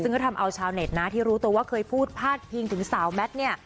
ซึ่งก็ทำเอาชาวเน็ตนะที่รู้ตัวว่าเคยพูดพาดพิงถึงสาวแมทเนี่ย